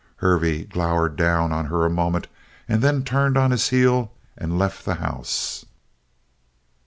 Hervey glowered down on her a moment and then turned on his heel and left the house.